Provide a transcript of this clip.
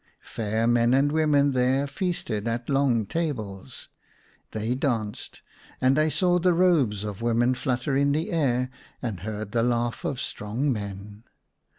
Fair men and women there feasted at long tables. They danced, and I saw the robes of women flutter in the air and heard the laugh of strong men.